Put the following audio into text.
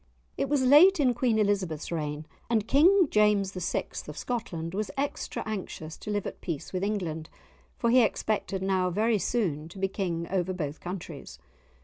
It was late in Queen Elizabeth's reign, and King James VI. of Scotland was extra anxious to live at peace with England, for he expected now very soon to be King over both countries.